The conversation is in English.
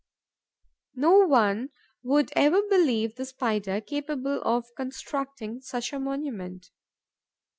No one would ever believe the Spider capable of constructing such a monument.